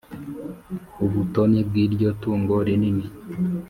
Ubutoni bw'iryo tungo rinini,